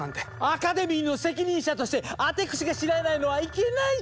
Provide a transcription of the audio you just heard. アカデミーの責任者としてアテクシが知らないのはいけないじゃない！